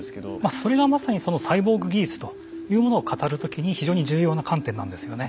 それがまさにサイボーグ技術というものを語る時に非常に重要な観点なんですよね。